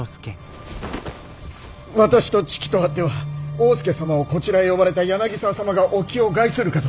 私と知己とあっては大典侍様をこちらへ呼ばれた柳沢様がお気を害するかと！